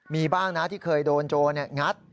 มีบ้างนะที่เคยโดนโจรงัด